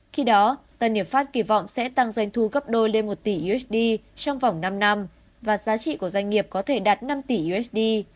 khi đó tân hiệp pháp kỳ vọng sẽ tăng doanh thu gấp đôi lên một tỷ usd trong vòng năm năm và giá trị của doanh nghiệp có thể đạt năm tỷ usd